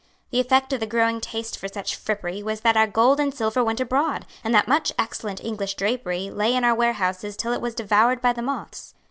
The effect of the growing taste for such frippery was that our gold and silver went abroad, and that much excellent English drapery lay in our warehouses till it was devoured by the moths.